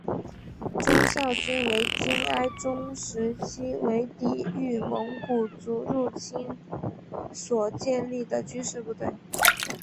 忠孝军为金哀宗时期为抵御蒙古族入侵所建立的军事部队。